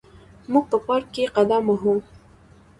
موږ په پارک کې قدم وهو.